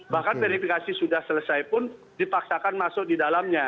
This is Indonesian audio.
bahkan verifikasi sudah selesai pun dipaksakan masuk di dalamnya